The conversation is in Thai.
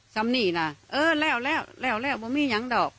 สำนี่น่ะเออแล้วแล้วแล้วแล้วไม่มียังดอก